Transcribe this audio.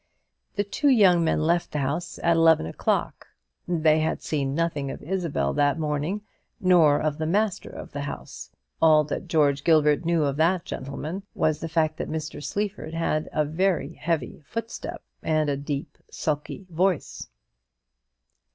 The two young men left the house at eleven o'clock. They had seen nothing of Isabel that morning, nor of the master of the house. All that George Gilbert knew of that gentleman was the fact that Mr. Sleaford had a heavy footstep and a deep sulky voice.